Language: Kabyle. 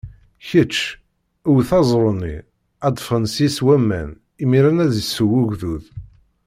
Kečč, wet aẓru-nni, ad d-ffɣen seg-s waman, imiren ad isew ugdud.